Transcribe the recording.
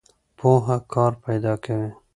پوهه کار پیدا کوي.